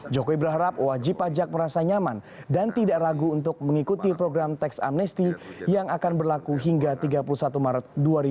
jokowi berharap wajib pajak merasa nyaman dan tidak ragu untuk mengikuti program teks amnesti yang akan berlaku hingga tiga puluh satu maret dua ribu dua puluh